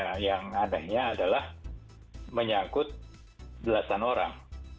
tetapi memang ini yang adanya adalah menyangkut belasan orang